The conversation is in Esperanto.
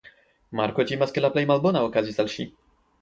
Marko timas ke la plej malbona okazis al ŝi.